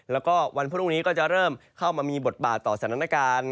แล้วก็วันพรุ่งนี้ก็จะเริ่มเข้ามามีบทบาทต่อสถานการณ์